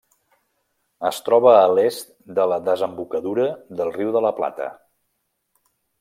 Es troba a l'est de la desembocadura del riu de La Plata.